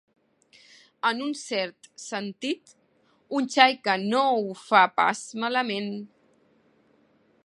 En un cert sentit, un xai que no ho fa pas malament.